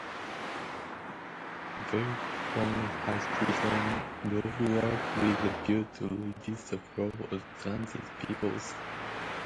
Berikon has begun roadwork with a view to reduce the flow of transit vehicles.